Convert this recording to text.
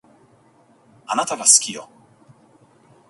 あなたが好きよ